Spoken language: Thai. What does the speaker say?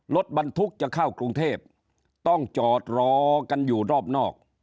รถบรรทุกจะเข้ากรุงเทพต้องจอดรอกันอยู่รอบนอก